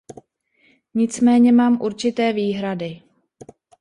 Nicméně mám určité výhrady.